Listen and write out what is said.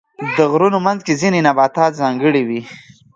د غرونو منځ کې ځینې نباتات ځانګړي وي.